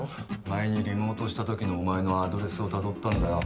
前にリモートしたときのお前のアドレスをたどったんだよ